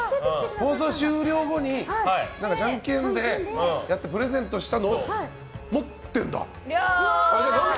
放送終了後にじゃんけんでプレゼントしたのを持ってるんだ。